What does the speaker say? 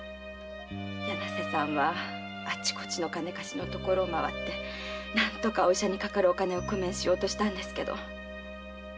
柳瀬さんはあちこちのお金貸しのところを回って何とかお医者にかかるお金を工面しようとしたんですけど。